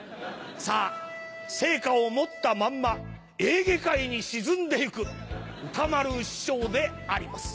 さぁ聖火を持ったまんまエーゲ海に沈んで行く歌丸師匠であります。